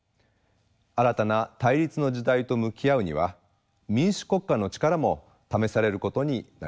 新たな対立の時代と向き合うには民主国家の力も試されることになりそうです。